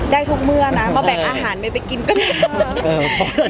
ได้ทุกเมื่อนะมาแบ่งอาหารเมย์ไปกินก็ได้